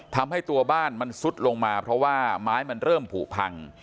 ทำให้ตัวบ้านมันซุดลงมาเพราะว่าไม้มันเริ่มผูพัง